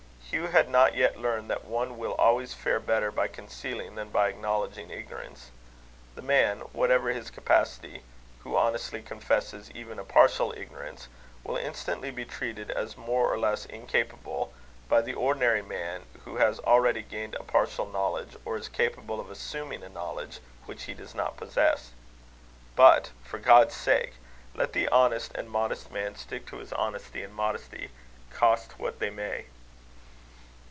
Hugh had not yet learned that one will always fare better by concealing than by acknowledging ignorance. The man, whatever his capacity, who honestly confesses even a partial ignorance, will instantly be treated as more or less incapable, by the ordinary man who has already gained a partial knowledge, or is capable of assuming a knowledge which he does not possess. But, for God's sake! let the honest and modest man stick to his honesty and modesty, cost what they may.